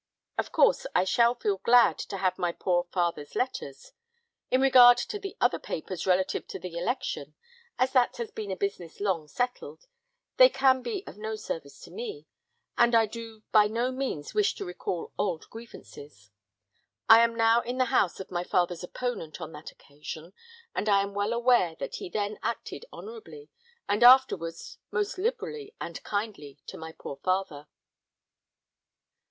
"Of course I shall feel glad to have my poor father's letters. In regard to the other papers relative to the election, as that has been a business long settled, they can be of no service to me, and I do by no means wish to recall old grievances. I am now in the house of my father's opponent on that occasion, and I am well aware that he then acted honourably, and afterwards most liberally and kindly to my poor father."